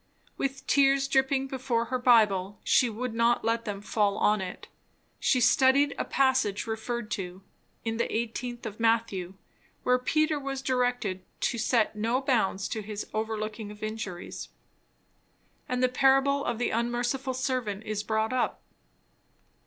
With tears dripping before her Bible, she would not let them fall on it, she studied a passage referred to, in the 18th of Matthew, where Peter was directed to set no bounds to his overlooking of injuries, and the parable of the unmerciful servant is brought up.